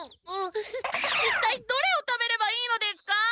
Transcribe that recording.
一体どれを食べればいいのですか！？